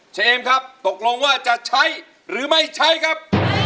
เฉยเอมครับตกลงว่าจะใช่หรือไม่ใช่ครับ